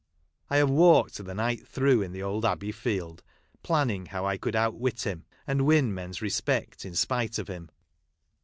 I have walked the, night through, in the old abbey field, planning how I could oufc wit him, and Aviu men's respect in spite of him.